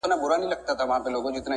درته یاد شي چې په ضد شومه